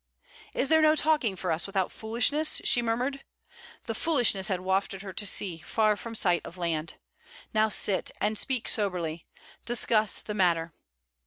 'Is there no talking for us without foolishness?' she murmured. The foolishness had wafted her to sea, far from sight of land. 'Now sit, and speak soberly. Discuss the matter.